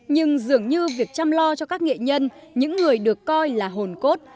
nhưng dường như việc chăm lo cho các nghệ nhân những người được coi là hồn cốt